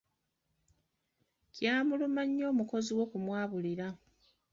Kyamuluma nnyo omukozi we okumwabulira.